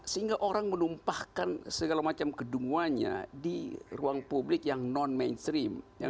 sehingga orang menumpahkan segala macam kedunguanya di ruang publik yang non mainstream